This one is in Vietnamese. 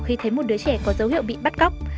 khi thấy một đứa trẻ có dấu hiệu bị bắt cóc